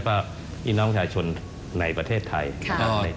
พี่น้องจัชนในประเทศไทย